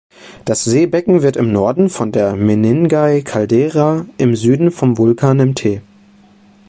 Das Seebecken wird im Norden von der Menengai-Caldera, im Süden vom Vulkan Mt.